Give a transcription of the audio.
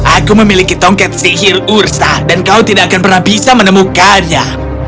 aku memiliki tongket sihir ursa dan kau tidak akan pernah bisa menemukannya